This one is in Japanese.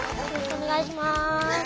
お願いします。